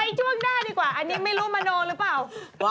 ไปจวกหน้าดีกว่าอันนี้ไม่รู้มโนเลยรึเปล่า